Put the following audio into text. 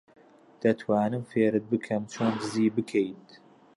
دەتوانم فێرت بکەم چۆن دزی بکەیت.